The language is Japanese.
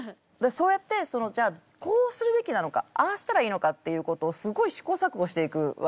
そうやってじゃあこうするべきなのかああしたらいいのかっていうことをすごい試行錯誤していくわけですよね。